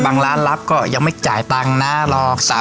ร้านรับก็ยังไม่จ่ายตังค์นะหรอก